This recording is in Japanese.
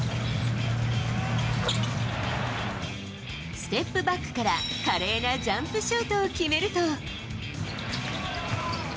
ステップバックから、華麗なジャンプシュートを決めると。